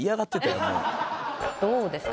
どうですか？